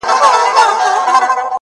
چي تر كلكو كاڼو غاښ يې وي ايستلى.!